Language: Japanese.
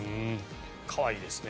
可愛いですね。